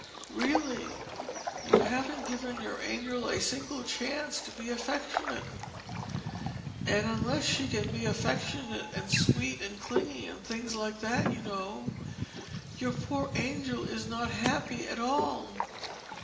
Really, you haven't given your angel a single chance to be affectionate and unless she can be affectionate and sweet and clinging, and things like that, you know, your poor angel is not happy at all.